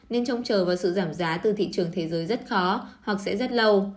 nên trông chờ vào sự giảm giá từ thị trường thế giới rất khó hoặc sẽ rất lâu